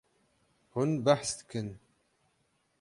Hûn behs dikin.